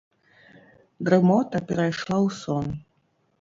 Дрымота перайшла ў сон.